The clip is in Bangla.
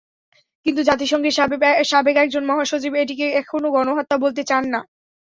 কিন্তু জাতিসংঘের সাবেক একজন মহাসচিব এটিকে এখনো গণহত্যা বলতে চান না।